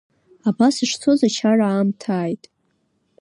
Абас ишцоз ачара аамҭа ааит.